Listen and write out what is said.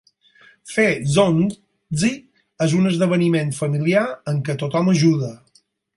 Fer zongzi és un esdeveniment familiar en què tothom ajuda.